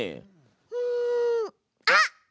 うん。あっ！